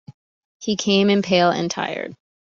He came in pale and tired.